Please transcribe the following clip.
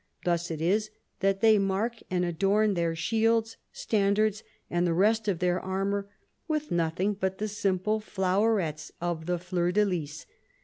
Thus it is that they mark and adorn their shields, standards, and the rest of their armour with nothing but the simple flowerets of the fleur de lys.